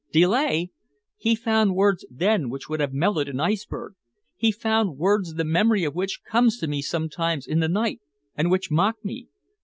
Delay! He found words then which would have melted an iceberg. He found words the memory of which comes to me sometimes in the night and which mock me.